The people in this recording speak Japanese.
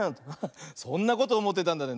そんなことおもってたんだね。